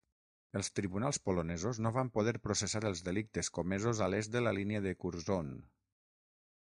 Els tribunals polonesos no van poder processar els delictes comesos a l'est de la línia de Curzon.